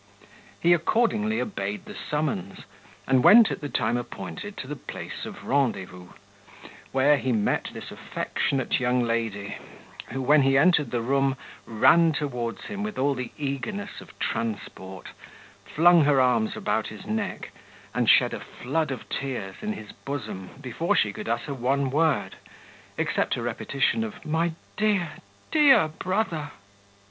He accordingly obeyed the summons, and went at the time appointed to the place of rendezvous, where he met this affectionate young lady, who when he entered the room, ran towards him with all the eagerness of transport, flung her arms about his neck, and shed a flood of tears in his bosom before she could utter one word, except a repetition of My dear, dear brother!